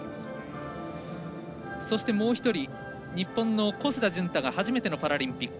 そして、もう１人日本の小須田潤太が初めてのパラリンピック。